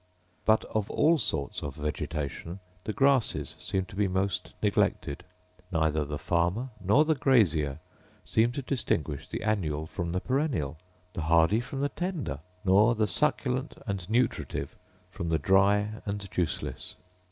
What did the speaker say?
But of all sorts of vegetation the grasses seem to be most neglected; neither the farmer nor the grazier seem to distinguish the annual from the perennial, the hardy from the tender, nor the succulent and nutritive from the dry and juiceless.